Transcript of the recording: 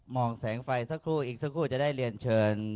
องแสงไฟสักครู่อีกสักครู่จะได้เรียนเชิญ